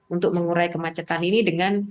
untuk mengurai kemacetan ini dengan